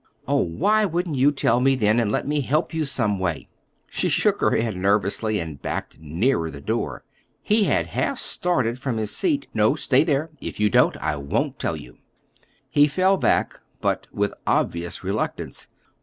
"Oh, why wouldn't you tell me then—and let me help you some way?" She shook her head nervously and backed nearer the door. He had half started from his seat. "No, stay there. If you don't—I won't tell you." He fell back, but with obvious reluctance.